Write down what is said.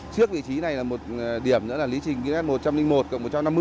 trước vị trí này là một điểm nữa là lý trình km một trăm linh một cộng một trăm năm mươi